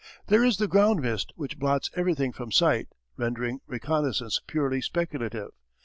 There is the ground mist which blots everything from sight, rendering reconnaissance purely speculative.